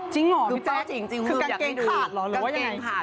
จริงเหรอพี่เจ้า